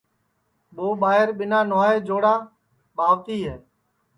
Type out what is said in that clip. یو ٻائیر ٻینا نھوائے جوڑا ٻاوتی ہے